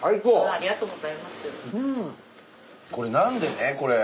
ありがとうございます。